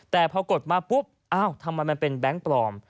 แต่พอกดมาปุ๊บอ้าวทำไมมันเป็นแบงค์ปลอม